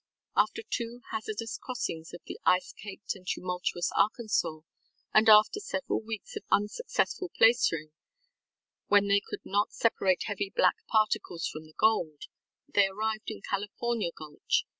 ŌĆØ After two hazardous crossings of the ice caked and tumultuous Arkansas, and after several weeks of unsuccessful placering when they could not separate heavy black particles from the gold, they arrived in California Gulch.